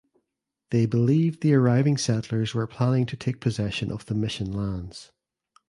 They believed the arriving settlers were planning to take possession of the mission lands.